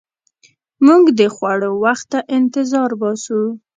موږ د خوړو وخت ته انتظار باسو.